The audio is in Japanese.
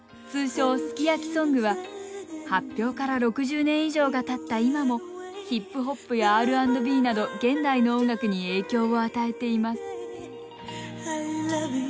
通称「ＳＵＫＩＹＡＫＩ」ソングは発表から６０年以上がたった今もヒップホップやＲ＆Ｂなど現代の音楽に影響を与えています